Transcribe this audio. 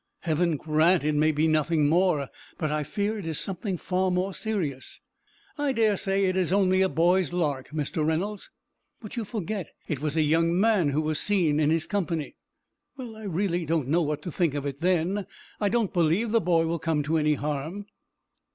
"Heaven grant it may be nothing more! But I fear it is something far more serious." "I dare say it's only a boy's lark, Mr. Reynolds." "But you forget it was a young man who was seen in his company." "I really don't know what to think of it, then. I don't believe the boy will come to any harm."